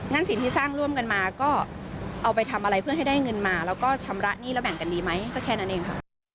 สิ่งที่สร้างร่วมกันมาก็เอาไปทำอะไรเพื่อให้ได้เงินมาแล้วก็ชำระหนี้แล้วแบ่งกันดีไหมก็แค่นั้นเองค่ะ